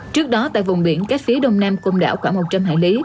trước đó tại vùng biển cách phía đông nam côn đảo khoảng một trăm linh hải lý